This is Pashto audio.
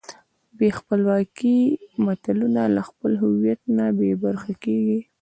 بې خپلواکۍ ملتونه له خپل هویت نه بېبرخې کېږي.